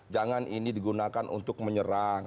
jangan ini digunakan untuk menyerang